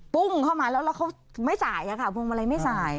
ปุ้งเข้ามาแล้วแล้วเขาไม่จ่ายค่ะพวงมาลัยไม่สาย